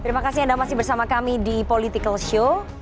terima kasih anda masih bersama kami di political show